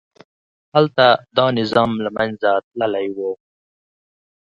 هلته دا نظام له منځه تللي وو.